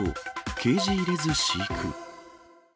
ケージ入れず飼育。